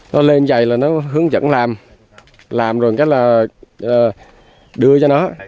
nó lên chạy là nó hướng dẫn làm làm rồi cái là đưa cho nó